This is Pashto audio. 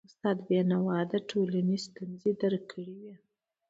استاد بينوا د ټولنې ستونزي درک کړی وي.